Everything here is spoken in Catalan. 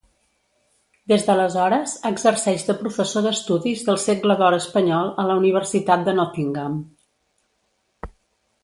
Des d'aleshores exerceix de professor d'Estudis del segle d'or espanyol a la Universitat de Nottingham.